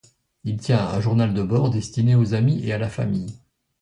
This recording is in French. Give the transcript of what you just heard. Il tient un journal de bord destiné aux amis et à la famille.